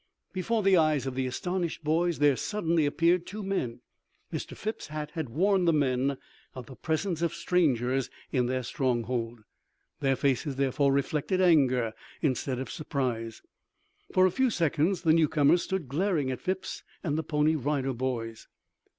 Before the eyes of the astonished boys there suddenly appeared two men. Mr. Phipps's hat had warned the men of the presence of strangers in their stronghold. Their faces, therefore, reflected anger instead of surprise. For a few seconds the newcomers stood glaring at Phipps and the Pony Rider Boys.